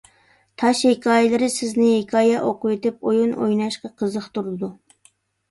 «تاش ھېكايىلىرى» سىزنى ھېكايە ئوقۇۋېتىپ ئويۇن ئويناشقا قىزىقتۇرىدۇ.